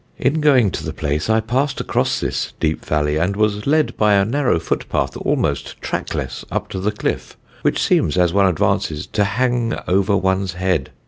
In going to the place, I passed across this deep valley, and was led by a narrow foot path almost trackless up to the cliff, which seems as one advances to hang over one's head.